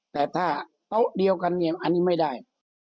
แต่ถ้าโต๊ะเดียวกันเนี่ยอันนี้ไม่ได้